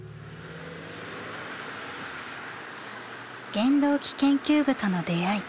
原動機研究部との出会い。